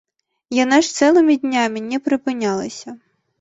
Яна ж цэлымі днямі не прыпынялася.